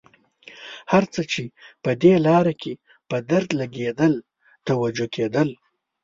هر څه چې په دې لاره کې په درد لګېدل توجه کېدله.